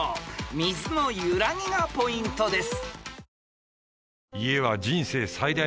［水の揺らぎがポイントです］